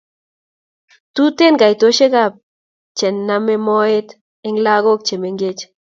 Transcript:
Tuten kaitoshek ab che name moet en lakok che mengeji